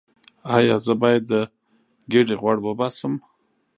ایا زه باید د ګیډې غوړ وباسم؟